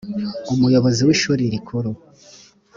umuyobozi w ishuri rikuru